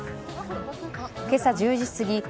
今朝１０時過ぎ